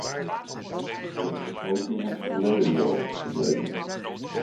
Dat is ook in het verleden wel gebleken.